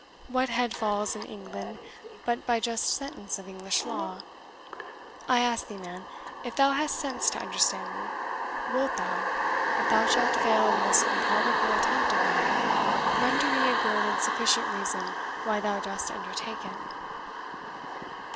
What head falls in England but by just sentence of English law? I ask thee, man if thou hast sense to understand me wilt thou, if thou shalt fail in this improbable attempt of thine, render me a good and sufficient reason why thou dost undertake it?"